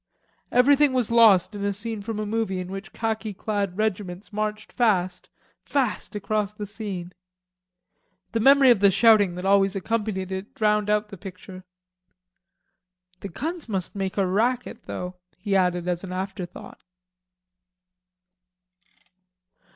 Everything was lost in a scene from a movie in which khaki clad regiments marched fast, fast across the scene. The memory of the shouting that always accompanied it drowned out the picture. "The guns must make a racket, though," he added as an after thought.